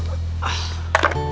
liat gue cabut ya